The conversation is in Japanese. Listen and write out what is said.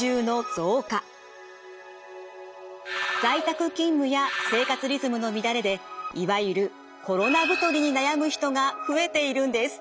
在宅勤務や生活リズムの乱れでいわゆるコロナ太りに悩む人が増えているんです。